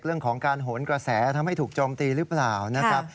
เรื่องของการโหนกระแสทำให้ถูกโจมตีหรือเปล่านะครับ